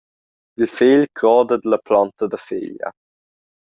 Il fegl croda dalla plonta da feglia.